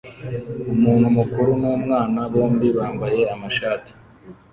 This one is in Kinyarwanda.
Umuntu mukuru numwana bombi bambaye amashati